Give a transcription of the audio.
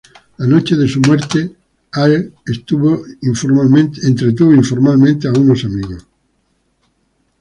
La noche de su muerte, Hale entretuvo informalmente a unos amigos.